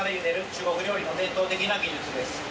中国料理の伝統的な技術です